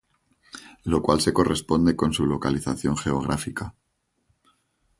Lo cual se corresponde con su localización geográfica.